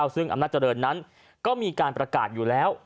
ซึ่งอำนาจเจริญนั้นก็มีการประกาศอยู่แล้ว